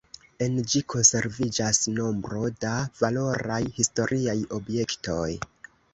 En ĝi konserviĝas nombro da valoraj historiaj objektoj.